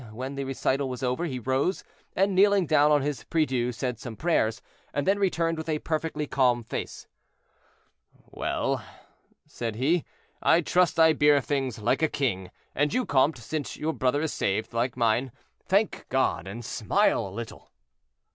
When the recital was over, he rose, and kneeling down on his prie Dieu, said some prayers, and then returned with a perfectly calm face. "Well," said he, "I trust I bear things like a king; and you, comte, since your brother is saved, like mine, thank God, and smile a little."